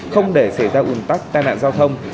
không để xảy ra ủn tắc tai nạn giao thông